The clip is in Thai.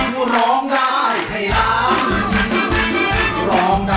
เก่งมากไปฝึกมาอีกนิด